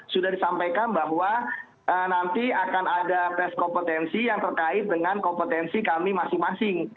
sudah disampaikan bahwa nanti akan ada tes kompetensi yang terkait dengan kompetensi kami masing masing